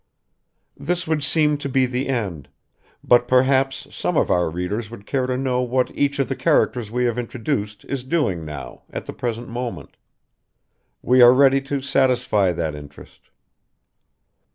This would seem to be the end; but perhaps some of our readers would care to know what each of the characters we have introduced is doing now, at the present moment. We are ready to satisfy that interest.